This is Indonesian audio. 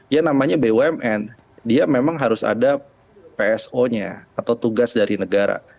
ya namanya bumn dia memang harus ada pso nya atau tugas dari negara